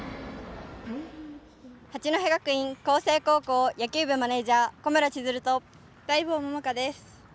八戸学院光星高校野球部マネージャー・小村千鶴と大坊桃香です。